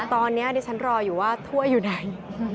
ตอนนี้ดิฉันรออยู่ว่าถ้วยอยู่ไหน